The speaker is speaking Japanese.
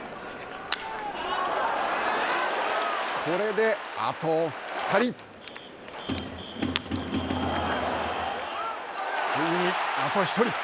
これであと２人。